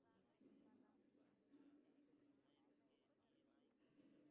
دنیا میں بقا کی جنگ نئے دور میں داخل ہو رہی ہے۔